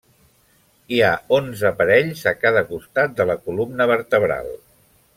Hi ha onze parells a cada costat de la columna vertebral.